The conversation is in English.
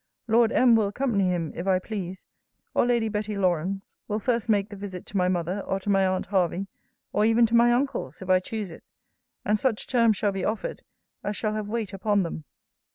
'Lord M. will accompany him, if I please: or Lady Betty Lawrance will first make the visit to my mother, or to my aunt Hervey, or even to my uncles, if I choose it. And such terms shall be offered, as shall have weight upon them.